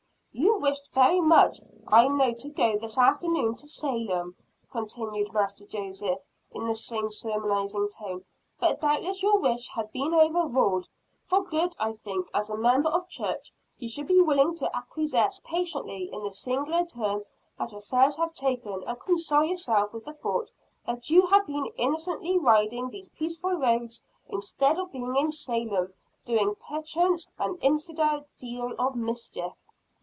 "You wished very much I know to go this afternoon to Salem," continued Master Joseph, in the same sermonizing tone; "but doubtless your wish has been overruled for good. I think, as a member of church, you should be willing to acquiesce patiently in the singular turn that affairs have taken, and console yourself with the thought that you have been innocently riding these peaceful roads instead of being in Salem, doing perchance an infinite deal of mischief."